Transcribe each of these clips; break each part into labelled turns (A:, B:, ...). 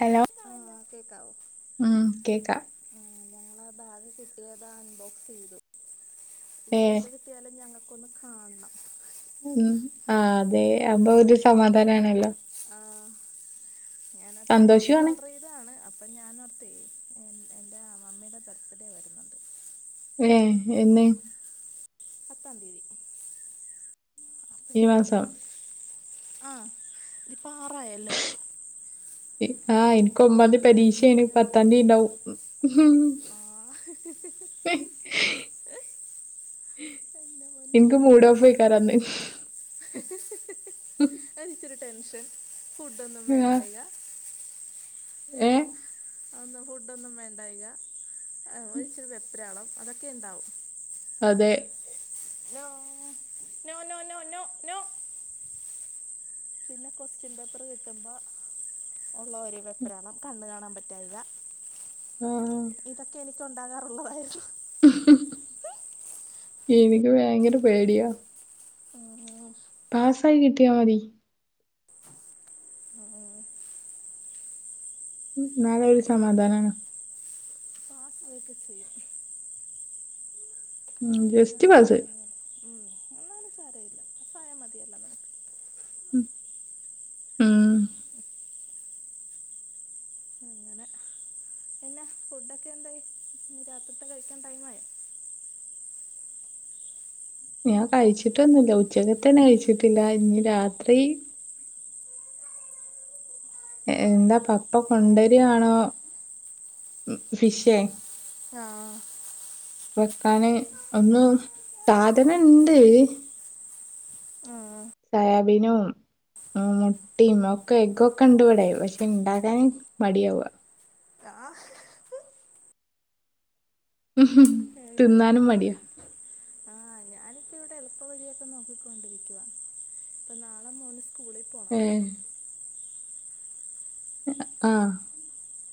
A: Hello
B: ആഹ് കേക്കാവോ
A: ഉമ് കേക്കാ
B: ഭാവിതാ അബോക്സ് ചെയ്തു ഇവിടെ
A: ഏഹ്
B: എന്ത് കിട്ടിയാലും ഞങ്ങൾക്കൊന്ന് കാണണം
A: ഉമ് ആഹ് അതെ അപൊ ഒരു സമാധാനാണല്ലോ
B: ആഹ് ഞാൻ ഞാൻ എനിക്ക്
A: സന്തോഷുവാണ്
B: ഓർഡർ ചെയ്തതാണ് അപ്പം ഞാനോർത്തേ എൻ- എൻ്റെ മമ്മിയുടെ ബർത്ത്ഡേ വരുന്നുണ്ട്
A: ഏഹ് എന്ന്
B: പത്താം തിയ്യതി
A: ഈ മാസം
B: ആഹ് ഇതിപ്പോ ആറായല്ലോ
A: ആഹ്
B: അപ്പം
A: എനിക്ക്
B: ഞാൻ
A: ഒമ്പാന്തി
B: ഓർത്ത്
A: പരീക്ഷ
B: ഇതെങ്കിൽ
A: ഏണ്
B: പിന്നെ
A: പത്താംതി ഉണ്ടാവും
B: ആ
A: [inaudible]
B: എൻ്റെ മുന്ന്
A: ഇൻക്ക് മൂടോഫേക്കര അന്ന്
B: അഹ് ച്ചിരി ടെൻഷൻ ഫുഡ ഒന്നും വേണ്ടായിക
A: ഏഹ്
B: ഫുഡ ഒന്നും വേണ്ടായിക ഒരിച്ചിരി വെപ്രാളം അതൊക്കെ ഇണ്ടാവും
A: അതെ
B: നോ നോ നോ നോ [inaudible] പിന്നെ കൊസ്റ്റ്യൻ പേപ്പർ കിട്ടുമ്പോ ഒള്ള ഒരു വെപ്രാളം കണ്ണ് കാണാൻ പറ്റായിക
A: ആ
B: ഇതൊക്കെ എനിക്ക് ഒണ്ടാകാറുള്ളതായിരുന്നു
A: എനിക്ക് ഭയങ്കര പേടിയാ
B: ഉം
A: പസായി കിട്ടിയാ മതി നാലൊരു ഒരു സമാധാനാണ്
B: [inaudible]
A: ഉമ്
B: അതിനൊന്നും
A: ജസ്റ്റ് പാസ്സായി
B: പേടിക്കൊന്നുമില്ല ഉം എന്നാലും സാരമില്ല പാസ്സായ മതിയല്ലോ നമുക്ക്
A: ഉമ് ഉമ്
B: അങ്ങനെ പിന്നെ ഫുഡൊക്കെ എന്തായി ഇന്ന് രാ ഇപ്പ കഴിക്കാൻ ടൈം ആയോ
A: ഞാൻ കഴിച്ചിട്ടൊന്നുല്ല ഉച്ചക്കത്തെന്നെ കഴിച്ചിട്ടില്ല ഇനി രാത്രി എ എന്താ പപ്പ കൊണ്ടരാണോ ഫിഷേ
B: ആഹ് [inaudible]
A: വെക്കാന് ഒന്നും സാധനണ്ട്
B: ഉം
A: സോയാബീനും മുട്ടിം ഒക്കെ എഗ്ഗൊക്കെ ഇണ്ട് വ്ടെ പക്ഷേ, ഇണ്ടാക്കാൻ മടിയാവാ
B: ആഹ്
A: [unintelligible]
B: അതാണ്
A: തിന്നാനും മടിയാ
B: ഞാനിപ്പോ ഇവിടെ എളുപ്പ വഴിയൊക്കെ നോക്കിക്കൊണ്ടിരിക്കുവാ. ഇപ്പൊ നാളെ മോന് സ്കൂളിൽ പോ
A: ഏഹ് ആഹ്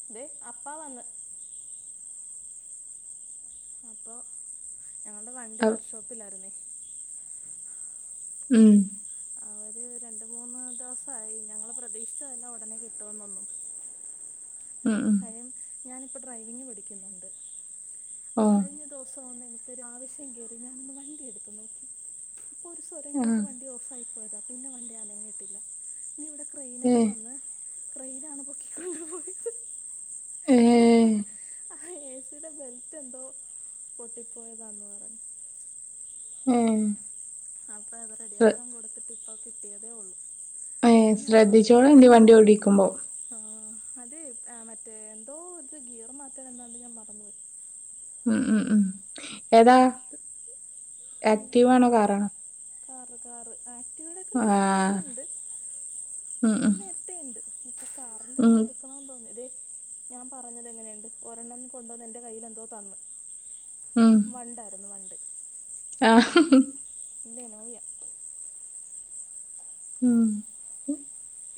B: [unintelligible] അപ്പൊ [unintelligible] വണ്ടി വർക്ക്ഷോപ്പിലാര്ന്നേ
A: ഉം
B: അവര് രണ്ട് മൂന്ന് ദിവസായി, ഞങ്ങള് പ്രതീക്ഷിച്ചതല്ല ഉടനെ കിട്ടുവോന്നൊന്നും [inaudible]
A: ഉം ഉം
B: ഞാനിപ്പ ഡ്രൈവിങ് പഠിക്കുന്നുണ്ട്.
A: ഓ
B: കഴിഞ്ഞ ദിവസം എനി ഒരാവേശം കേറി ഞാനൊന്ന് വണ്ടി എടുത്ത് നോക്കി അപ്പൊരു [inaudible]
A: ആഹ്
B: വണ്ടി ഓഫായി പോയതാ പിന്നെ വണ്ടി അനങ്ങിട്ടില്ല. പിന്നെ ഇവിടെ
A: ഏ
B: ക്രായിനക്കെ വന്ന് ക്രെയിനാണ് പൊക്കിക്കൊണ്ട് പോയത്. [inaudible]
A: ഏഹ്
B: അപ്പോൾ ആ ഏസിടെ ബെൽറ്റെന്തോ പൊട്ടിപ്പോയതാന്ന് പറഞ്ഞ്
A: മ്മ്
B: അപ്പൊ അത് റെഡിയാക്കാൻ കൊടുത്തിട്ട് ഇപ്പ കിട്ടിയതേ ഒള്ളൂ.
A: ഏഹ്, ശ്രദ്ധിച്ചോളണ്ടി വണ്ടി ഓടിക്കുമ്പോ
B: ആഹ് അ അത് മറ്റേ എന്തോ ഇത് ല്ലേ ഗിയർ മാറ്റാനെന്താണ്ട് ഞാൻ മറന്നു പോയ്
A: ഉം ഉം ഉം. ഏതാ
B: ഇവിടെ
A: ആക്റ്റീവാണോ, കാറാണോ?
B: [inaudible] ആക്റ്റീവ്
A: ആഹ്, ഉം ഉം
B: [inaudible]
A: ഉം
B: [unintelligible] [unintelligible]
A: ഉം
B: [unintelligible] [unintelligible]
A: ആഹ് ഹു ഹും
B: [unintelligible]
A: ഉം,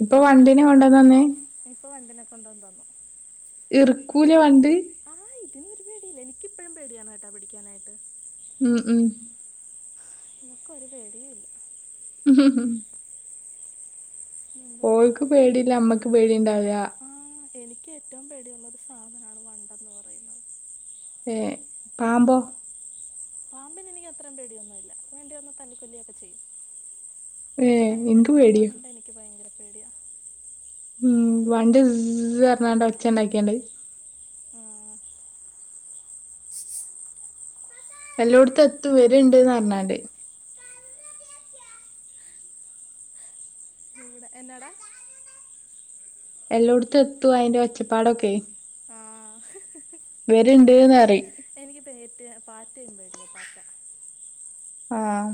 A: ഇപ്പൊ വണ്ടിനെ
B: അങ്ങനെ
A: കൊണ്ടന്നന്നേ
B: [unintelligible]
A: ഇറുക്കൂല വണ്ട്?
B: [unintelligible]
A: ഉം ഉം
B: [unintelligible]
A: ഉം ഉം
B: എന്ത്
A: ഓൽക്ക്
B: പെണ്ണാണ് വണ്ട്
A: പേടില്ല, അമ്മയ്ക്ക് പേടിണ്ടാവ് ല.
B: ആ എനിക്ക് ഏറ്റവും പേടിയുള്ള ഒരു സാധനമാണ് വണ്ടെന്നത്
A: ഏഹ്, പാമ്പോ?
B: [unintelligible] പാമ്പിനെ എനിക്ക് അത്രയും പേടിയൊന്നുമില്ല വേണ്ടിവന്ന തല്ലിക്കൊല്ലിയൊക്കെ ചെയ്യും.
A: ഏ
B: പക്ഷെ വണ്ട്
A: എൻക് പേടിയ.
B: വണ്ട് എനിക്ക് ഭയങ്കര പേടിയാണ്
A: ഉം വണ്ടി ഇസ് എന്ന് പറഞ്ഞ് ഒച്ച ഉണ്ടാക്കിയോണ്ട് എല്ലോടത്തു എത്തും വരുണ്ട്ന്ന് പറഞ്ഞാല്
B: ഇവിടെ എന്നാടാ
A: എല്ലോടത്തും എത്തും അതിന്റെ ഒച്ചപ്പാടൊക്കെ.
B: ആ
A: വരുണ്ട്ന്ന്റയും.
B: എനിക്ക് പേറ്റ പാറ്റ പേടിയാല്ലട്ട
A: ആഹ്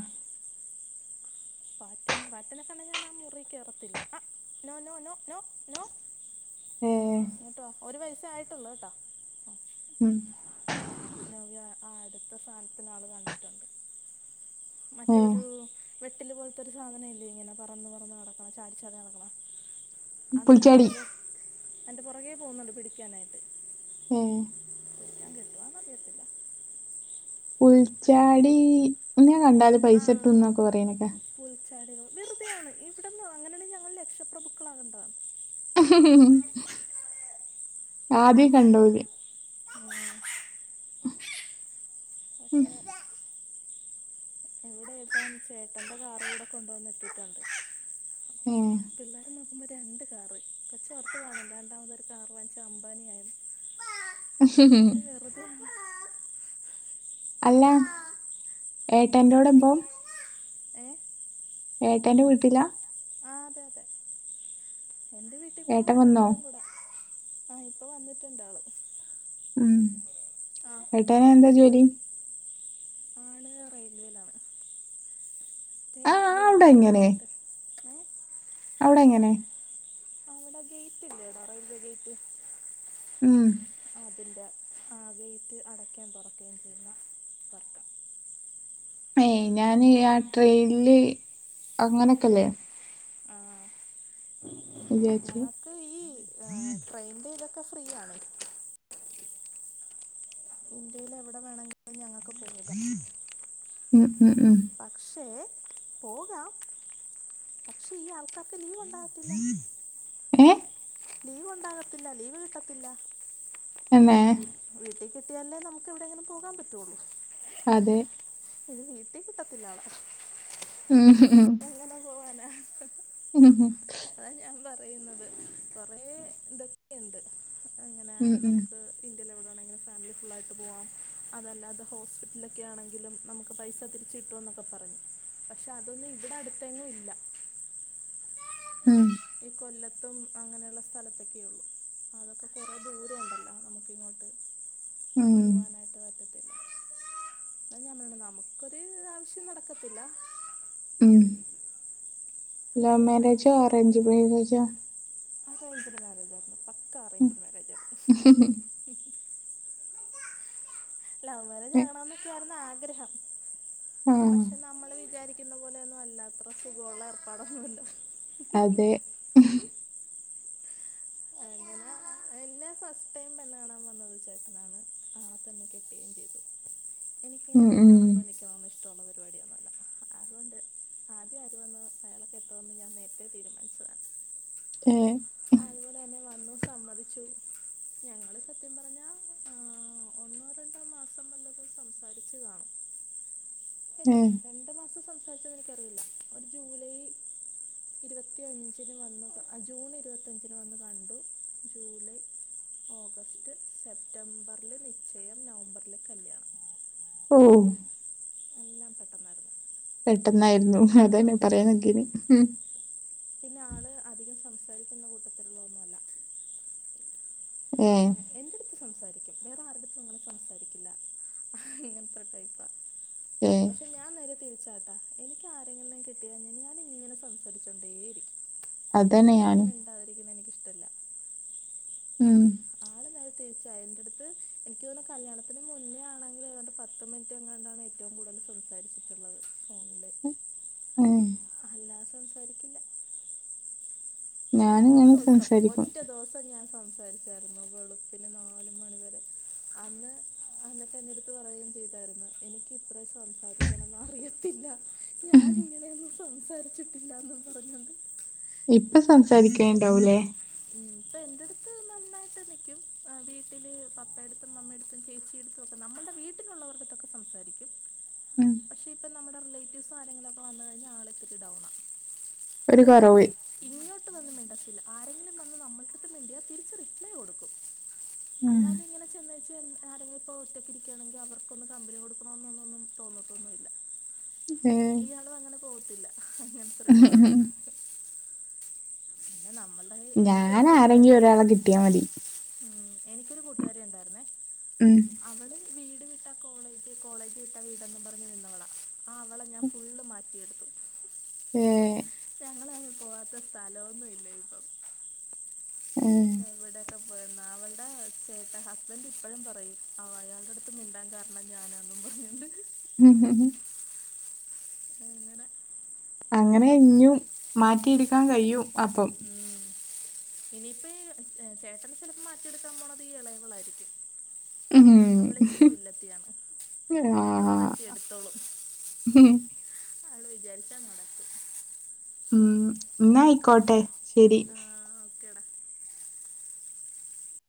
B: പറ്റയുള്ള സമയത്ത് ഞാൻ ആ മുറി കേറത്തില്ല ആ നോ നോ.
A: ഏ
B: ഇങ്ങോട്ടവ, ഒരു വയസ്സ് ആയിട്ടുള്ളൂ കേട്ടോ. ആ,
A: ഉം.
B: ആ, നവ്യ ആ അടുത്ത സാധനത്തിന് ആൾ കണ്ടിട്ടുണ്ട്
A: ഉം
B: വെട്ടിലിന്റെ പോലത്തെ ഒരു സാധനം ഇല്ലേ ഇങ്ങനെ പറന്ന് പറന്ന് നടക്കുന്ന ചാടിച്ചാടി നടക്കുന്നേ അതിന്റെ
A: പുൽച്ചാടി
B: പുറകെ അതിന്റെ പുറകേ പോന്നുണ്ട് പിടിക്കാനായിട്ട്.
A: ഉം.
B: പിടിക്കാൻ കിട്ടുമോന്ന് അറിയത്തില്ല
A: പുൽച്ചാടിനെ കണ്ടാ
B: ആ
A: പൈസ കിട്ടുംന്നൊക്കെ പറയണ കേക്കാം.
B: വെറുതെയാണ് ഇവിടന്ന് അങ്ങനെയാണെ, ഞങ്ങൾ രക്ഷപ്രഭുക്കളാകേണ്ടതാണ്.
A: ആദ്യം കണ്ടോണ്ട്
B: [unintelligible]
A: ഉം
B: പക്ഷേ ചേട്ടന്റെ കാറ് ഇവിടെ കൊണ്ടുവന്ന് ഇട്ടിട്ടുണ്ട്. അപ്പം പിള്ളേർ നോക്കുമ്പോൾ രണ്ട് കാറ് കൊച്ച് ഓർത്ത് കാണും
A: എഹ്
B: രണ്ടാമതൊരു കാറ് വാങ്ങിച്ച അംബാനിയായത്
A: [unintelligible]
B: വെറുതേ [unintelligible]
A: അല്ല ഏട്ടൻന്റേടെമ്പോം
B: ഏ
A: ഏട്ടേന്റെ വീട്ടിലാ?
B: ആ അതെ അതെ എന്റേ വീട്ട്
A: ഏട്ടൻ വന്നോ?
B: ആഹ്, ഇപ്പൊ വന്നിട്ടുണ്ട് ആള്.
A: ഉം
B: ആ
A: ഏട്ടന് എന്താ ജോലി?
B: ആള് റെയിൽവേയിലാണ്.
A: ആ, ആ
B: ഗേറ്റ്
A: ഉണ്ടാ ഇങ്ങനെ
B: കീപ്പറായിട്ട് ഏ
A: അവിടെ എങ്ങനെ?
B: എ ഗേറ്റ് ഇല്ലാണ് റോ ഇറെയവേഗേറ്റ്
A: ഉം
B: അതിന്റെ ആ ഗേറ്റ് അടക്കാൻ തുറക്കേണ്.
A: ഏയ് ഞാന് ആ ട്രെയിനിൽ അങ്ങനൊക്കെല്ലേ?
B: ആ
A: എന്തുവാച്ചി?
B: ട്രെയിൻന്റെ ഇതൊക്കെ ഫ്രീ ആണ്. ഇന്ത്യയില് എവിടെ വേണെങ്കില് ഞാ
A: ഉം ഉം ഉം
B: ക്ഷേ പോകാം ക്ഷ ഈ ആൾക്കാർക്ക് ലീവ് ഒണ്ട [unintelligible]
A: [unintelligible] ഏഹ്
B: ലീവ് ഒണ്ടാകത്തില്ല ലീവ് കിട്ടത്തില്ല.
A: തന്നെ
B: വീട്ടി കിട്ടിയാലല്ലേ നമുക്ക് എവിടെയെങ്കിലും പോകാൻ പറ്റുള്ളൂ.
A: അതെ
B: ഇനി വീട്ടി കിട്ടത്തില്ലവളെ
A: ഉം ഉം ഉം
B: പോകാനാ
A: ഉം ഉം
B: അതാ ഞാൻ പറയുന്നത് കുറേ ഇതൊക്കെയുണ്ട് അങ്ങനെ
A: ഉം ഉം
B: നമുക്ക് ഇന്ത്യയിൽ എവിടെ വേണമെങ്കിലും ഫാമിലി ഫുള്ളായിട്ട് പുവാം അതല്ലാതെ ഹോസ്പിറ്റ്ലെക്കെ ആണെങ്കിലും നമുക്ക് പൈസ തിരിച്ച്കിട്ടുവാെന്നൊക്കെ പറയും പക്ഷെ അതൊന്നും ഇവിടെ അട്ത്തെങ്ങും ഇല്ല
A: ഉം
B: ഈ കൊല്ലത്തും അങ്ങനെയുള്ള സ്ഥലത്തൊക്കെ ഉള്ളൂ അതൊക്കെ കുറേ ദൂരം ഉണ്ടല്ലോ നമുക്കിങ്ങോട്ട്
A: ഉം
B: പോകാനായിട്ട് അതാ ഞാൻ പറഞ്ഞ്നമുക്കൊരു ആവശ്യം നടക്കത്തില്ല
A: ഉം ലൗ
B: അങ്ങനെ
A: മാരേജാ അറേഞ്ച് മാര്യജാ
B: അറൈഞ്ച്ഡ് മേരേജാണ് പക്ക
A: ഉം
B: അറേഞ്ച്ഡ് മാരേജ്
A: ഇഹ്
B: ആയിരുന്നു
A: ഹ്
B: ലവ് മാരേജ്
A: ട്ടെ
B: ആകണമെന്നൊക്കെയായിരുന്നു ആഗ്രഹം
A: ആഹ്
B: നമ്മള് വിചാരിക്ക്ന്ന പോലെയൊന്നും അല്ല അത്ര സുഖവൊള്ള ഏർപ്പാടൊന്നുല്ല
A: അതെ ഖ്ഹ്
B: അങ്ങനെ എന്നെ ഫസ്റ്റ് ടൈം പെണ്ണ് കാണാൻ വന്നത് ചേട്ടനാണ് ആളെ തന്നെ കെട്ടുകയും ചെയ്തു
A: [inaudible]
B: എനിക്കിങ്ങനെ
A: ആഹ്
B: പെണ്ണ്
A: ആഹ്
B: കാണാൻ പോയി നിൽക്കണമെന്ന് ഇഷ്ടമുള്ള പരിപാടിയൊന്നുമല്ല അതുകൊണ്ട് ആദ്യം ആര് വന്ന് അയാളെ കെട്ടുമെന്ന് ഞാൻ നേരത്തെ
A: ഏഹ് [inaudible]
B: ഹലോ ഞങ്ങൾ സത്യം പറഞ്ഞാൽ ഒന്നോ രണ്ടോ മാസം വല്ലതും സംസാരിച്ച് കാണും
A: [inaudible]
B: ഇല്ല
A: ഏഹ്
B: രണ്ട് മാസം സംസാരിച്ചത് എനിക്കറിയില്ല ഒരു ജൂലൈ ഇരുവത്തി അഞ്ചിന് വന്നു അ ജൂൺ ഇരുവത്തഞ്ചിന് ഓഗസ്റ്റ് സെപ്റ്റംബറിൽ നിശ്ചയം നവംബറിൽ കല്യാണം
A: [inaudible] ഓം
B: എല്ലാം പെട്ടെന്നായിരുന്നു
A: പെട്ടെന്നായിര്ന്നു അതേണ്
B: ഫാസ്റ്റ്
A: പറയാൻ നക്കേര്ന്നെ
B: പിന്നെ ആള് അധികം സംസാരിക്ക്ന്ന കൂട്ടത്തിലുള്ള ഒന്നും അല്ല
A: ഏഹ്
B: എന്റട്ത്ത് സംസാരിക്കും വേറെ ആരട്ത്തും അങ്ങനെ സംസാരിക്കില്ല അങ്ങൻത്തെ ഒര്ടൈപ്പാ
A: ഏ
B: പക്ഷെ ഞാൻ നേരെ തിരി ച്ചാട്ടാ എനിക്ക് ആരെങ്കിലും കിട്ടിയാ ഞാൻ ഇങ്ങനെ സംസാരിച്ചോണ്ടെ ഇരിക്കും
A: അതന്നെഞാനും
B: എനിക്കിഷ്ടമല്ല
A: ഉം
B: ആളെന്തായാലും തേച്ചാ എന്റട്ത്ത് എനിക്ക് യോന്നാ കല്യാണത്തിന് മുന്നേ ആണെങ്കില് ഏതാണ്ട് പത്ത് മിനിറ്റ് എങ്ങാണ്ടാണേയ്
A: ഏഹ് ഏഹ്
B: ഞാൻ സംസാരിക്കില്ല ഒരു
A: ഞാനിങ്ങനെ
B: ദൂസം
A: സംസാരിക്കും
B: ഒറ്റ ദൂവസം ഞാൻ സം
A: [inaudible]
B: അന്ന്ട്ട് എന്റട്ത്ത് പറയും ചെയ്തായ്ര്ന്ന് എനിക്ക് ഇത്ര സംസാരിക്കാനൊന്നും അറിയത്തില്ല ഞാൻ ഇങ്ങനെയൊന്നും സംസാരിച്ചിട്ടില്ലാന്നും പറഞ്ഞാേണ്ട്
A: ഇപ്പ സംസാരിക്കേണ്ടാവുലെ
B: ഉം, ഇപ്പൊ എൻ്റെ അടുത്ത് നന്നായിട്ട് നിൽക്കും വീട്ടിൽ
A: [inaudible]
B: പപ്പയടുത്തും മമ്മയടുത്തും ചേച്ചിയെടുത്തും ഒക്കെ നമ്മുടെ
A: [inaudible] ഉം
B: പക്ഷെ ഇപ്പ നമ്മടെ റിലെെറ്റിവ്സ് ആരങ്കിലൊക്കെ വന്ന്കഴിഞ്ഞാ ആൾ ഇച്ചിരി സൗണാ
A: ഒര് കൊറവ്
B: ഇങ്ങോട്ട് വന്ന് മിണ്ടത്തില്ല ആരെങ്കിലും വന്ന് നമ്മൾക്ക്ട്ത്ത് മിണ്ടിയാ തിരിച്ച് റിപ്ലൈ കൊടുക്കും
A: ഉം
B: അല്ലാതെങ്ങന ചെ- ആരക്കിലും ഇപ്പോ ഒറ്റയ്ക്ക് ഇരിക്കയാണെങ്കിൽ അവർക്കൊന്ന് കമ്പനി കൊടുക്കണം എന്നുംതോന്നും.
A: ഉം [unintelligible]
B: ഞങ്ങള് അങ്ങനെ പോകത്തില്ല അങ്ങനെ-
A: ഉം ഉം ഉ.. [unintelligible]
B: പിന്നെ നമ്മളുടെ എനിക്കൊരു
A: ഞാൻ
B: കൂട്ടുകാരി
A: ആരെങ്കിലും ഒരാളെ
B: ഉണ്ടായിരുന്നു
A: കിട്ടിയാൽ മതി
B: ഉം എനിക്കൊരു കൂട്ടുകാരി ഉണ്ടായിരുന്നേ-
A: ഉം
B: അവള് വീട് വിട്ടാ കോളേജ് വിട്ടാ വീട് എന്ന് പറഞ്ഞു നിന്നവളാ ആ അവളെ ഞാൻ ഫുൾ മാറ്റി.
A: ഏയ്
B: ഞങ്ങളങ്ങ് പോവാത്ത സ്ഥലമൊന്നുംയില്ല
A: ഉം
B: എന്റെ ഹസ്ബൻഡ് ഇപ്പഴും പറയും ആ അയാളുടെ അടുത്ത് മിണ്ടാൻ കാരണം ഞാനന്നും പറയും.
A: ഉം ഉം
B: അങ്ങനെ
A: അങ്ങനെ ഇഞ്ഞു മാറ്റി എടുക്കാൻ കഴിയും അപ്പോ
B: [inaudible] ഇനിയിപ്പോ ഈ ചേട്ടന് ചെലപ്പോ മാറ്റിയെടുക്കാൻ പോണത് ഈ ഇളയവളായിരിക്കും.
A: ഉം
B: അവളിച്ചിരി
A: ആഹ്
B: ത്തോ വിചാരിച്ച [unintelligible]
A: ഉം എന്നാ ആയിക്കോട്ടെ
B: അങ്ങനെ
A: ശരി.
B: ആ ഓക്കേടാ